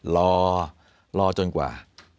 รอรอจนกว่า